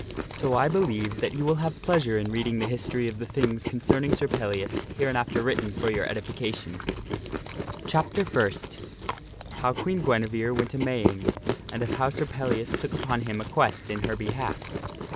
So I believe that you will have pleasure in reading the history of the things concerning Sir Pellias hereinafter written for your edification. ir Pellias, % Gentler Knight. Chapter First. How Queen Guinevere Went a Maying and of How Sir Pellias Took Upon Him a Quest in Her Behalf.